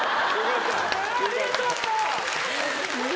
ありがとう。